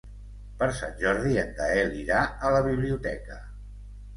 Per Sant Jordi en Gaël irà a la biblioteca.